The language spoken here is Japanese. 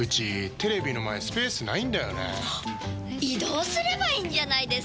移動すればいいんじゃないですか？